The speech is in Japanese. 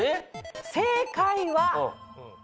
正解は。